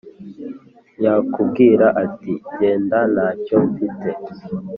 yakubwira ati genda ntacyo mfite